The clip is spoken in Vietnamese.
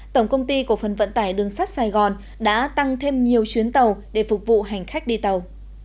tổng công ty cổ phần vận tải đường sắt sài gòn đã tăng thêm nhiều chuyến tàu để phục vụ hành khách đi tàu